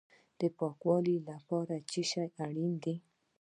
د پاکوالي لپاره څه شی اړین دی؟